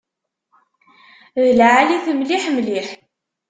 D lɛali-t mliḥ mliḥ.